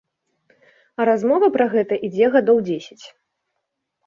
А размова пра гэта ідзе гадоў дзесяць.